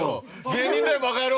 「芸人だよバカ野郎！」